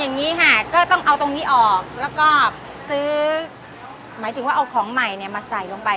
อย่างนี้ค่ะก็ต้องเอาตรงนี้ออกแล้วก็ซื้อหมายถึงว่าเอาของใหม่เนี่ยมาใส่ลงไป